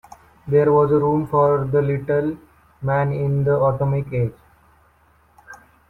There was room for the Little Man in the atomic age.